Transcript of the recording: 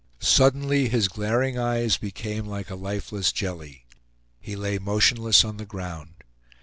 Suddenly his glaring eyes became like a lifeless jelly. He lay motionless on the ground.